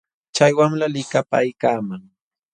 Chay wamlam likapaaykaaman.